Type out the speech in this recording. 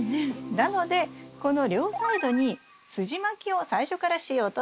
なのでこの両サイドにすじまきを最初からしようと思います。